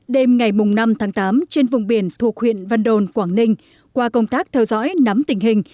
đêm ngày năm tháng tám trên vùng biển thuộc huyện văn đồn quảng ninh qua công tác theo dõi nắm tình hình